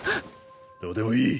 どうでもいい。